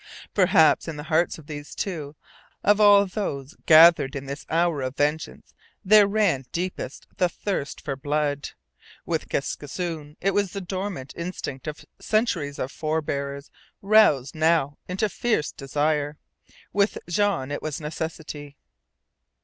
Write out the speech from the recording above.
Perhaps in the hearts of these two, of all those gathered in this hour of vengeance, there ran deepest the thirst for blood. With Kaskisoon it was the dormant instinct of centuries of forebears, roused now into fierce desire. With Jean it was necessity.